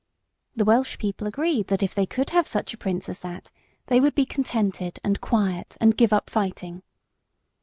The Welsh people agreed that if they could have such a prince as that, they would be contented and quiet, and give up fighting.